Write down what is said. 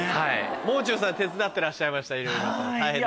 もう中さん手伝ってらっしゃいましたいろいろ。